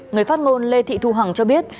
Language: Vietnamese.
người phát ngôn lê thị thu hằng cho biết